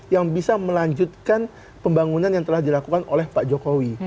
yang bisa melanjutkan pembangunan yang telah dilakukan oleh pak jokowi